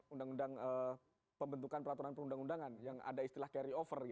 undang undang pembentukan peraturan perundang undangan yang ada istilah carry over